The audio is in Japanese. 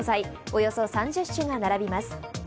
およそ３０種が並びます。